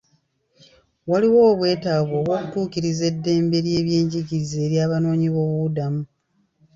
Waliwo obwetaavu bw'okutuukiriza eddembe ly'ebyenjigiriza ery'abanoonyi boobubudamu.